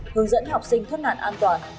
hướng dẫn học sinh thuất nạn an toàn